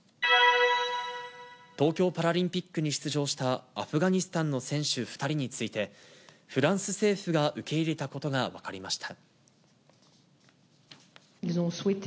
東京パラリンピックに出場したアフガニスタンの選手２人について、フランス政府が受け入れたことが分かりました。